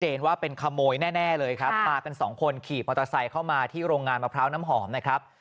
ว่าเป็นขโมยแน่เลยครับมากันสองคนขี่มอเตอร์ไซค์เข้ามาที่โรงงานมะพร้าวน้ำหอมนะครับ